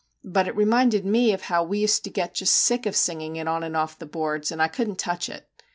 But it reminded me how we used to get just sick of singing it on and off the boards, and I couldn't touch it.